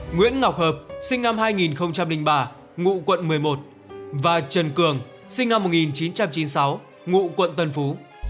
nguyễn ngọc hợp sinh năm hai nghìn ba ngụ quận một mươi một và trần cường sinh năm một nghìn chín trăm chín mươi sáu ngụ quận tân phú